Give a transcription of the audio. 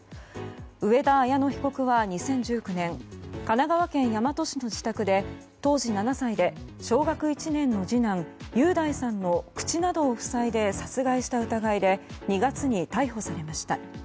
上田綾乃容疑者は２０１９年神奈川県大和市の自宅で当時７歳で小学１年の次男・雄大さんの口などを塞いで殺害した疑いで２月に逮捕されました。